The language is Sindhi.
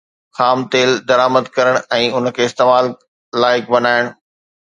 خام تيل درآمد ڪرڻ ۽ ان کي استعمال لائق بڻائڻ